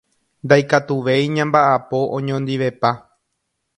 Ndaikatuvéi ñambaʼapo oñondivepa.